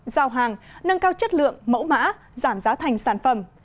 giao hàng nâng cao chất lượng mẫu mã giảm giá thành sản phẩm